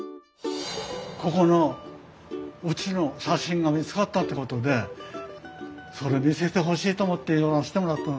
ここのうちの写真が見つかったってことでそれ見せてほしいと思って寄らせてもらったの。